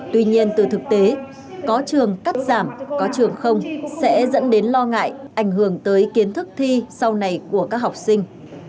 tuy nhiên từ thực tế có trường cắt giảm có trường không sẽ dẫn đến lo ngại ảnh hưởng tới kiến thức thi sau này của các học sinh